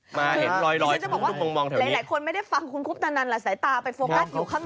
เคตาอียังจะบอกว่าหลายคนไม่ได้ฟังคุณคลุปนานละสายตาไปโฟกัสอยู่ข้างหลังนะ